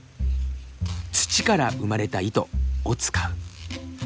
「土から生まれた糸」を使う。